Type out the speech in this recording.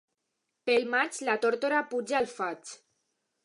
Pel maig la tórtora puja al faig.